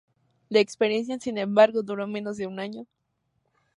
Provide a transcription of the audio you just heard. La experiencia, sin embargo, duró menos de un año.